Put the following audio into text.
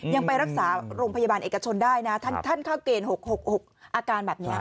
ยังไปรักษาโรงพยาบาลเอกชนได้นะท่านเข้าเกณฑ์๖๖อาการแบบนี้